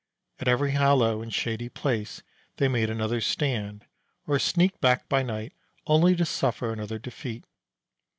At every hollow and shady place they made another stand, or sneaked back by night, only to suffer another defeat.